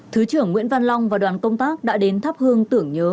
thứ trưởng nguyễn văn long và đoàn công tác đã đến thắp hương tưởng nhớ